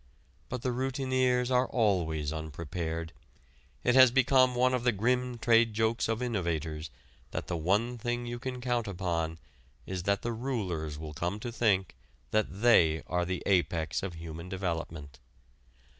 But the routineers are always unprepared. It has become one of the grim trade jokes of innovators that the one thing you can count upon is that the rulers will come to think that they are the apex of human development.